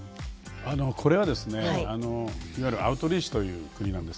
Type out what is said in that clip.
これはですねいわゆるアウトリーチという国なんです。